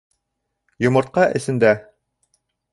— Йомортҡа эсендә.